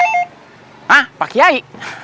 hah pak kiai